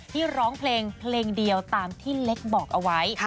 ร้องเพลงเพลงเดียวตามที่เล็กบอกเอาไว้